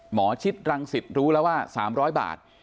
หมอชิดรังสิตรู้แล้วว่า๓๐๐บาท